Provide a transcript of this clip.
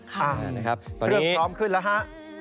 เพื่อพร้อมขึ้นละฮะ